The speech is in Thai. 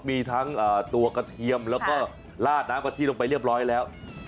มีทั้งตัวกระเทียมแล้วก็ลาดน้ำกะทิลงไปเรียบร้อยแล้ว